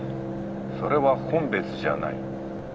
それは本別じゃない。